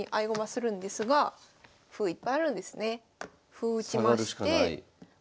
歩打ちまして。